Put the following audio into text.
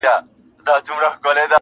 زما له زوره ابادیږي لوی ملکونه.!